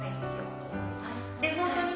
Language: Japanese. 本当にね